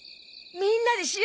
みんなでし